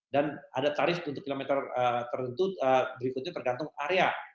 ada tarif untuk kilometer tertentu berikutnya tergantung area